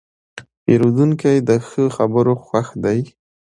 پیرودونکی د ښه خبرو خوښ دی.